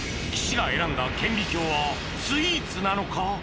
岸が選んだ顕微鏡はスイーツなのか？